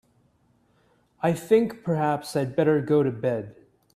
I think perhaps I'd better go to bed.